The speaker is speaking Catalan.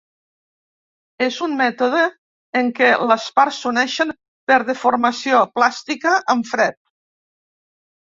És un mètode en què les parts s'uneixen per deformació plàstica en fred.